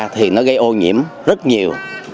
thì nó gây ô nhiễm rất nhiều